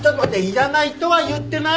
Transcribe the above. いらないとは言ってない！